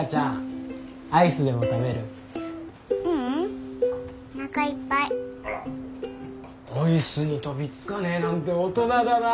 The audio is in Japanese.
アイスに飛びつかねえなんて大人だな。